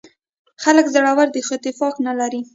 خلک زړور دي خو اتفاق نه لري.